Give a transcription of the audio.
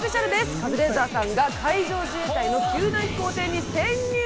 カズレーザーさんが海上自衛隊の救難飛行艇に潜入。